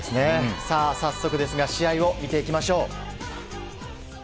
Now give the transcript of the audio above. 早速ですが試合を見ていきましょう。